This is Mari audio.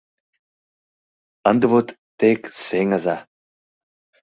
Ынде вот тек сеҥыза!